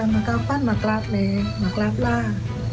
กาวฟันกันมันกาวฟันมากราบเลยมากราบล่า